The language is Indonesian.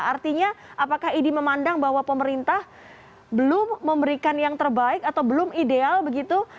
artinya apakah idi memandang bahwa pemerintah belum memberikan yang terbaik atau belum ideal begitu